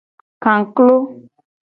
Kaklo.